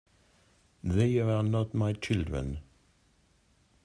They're not my children.